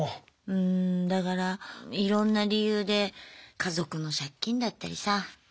うんだからいろんな理由で家族の借金だったりさあるじゃない？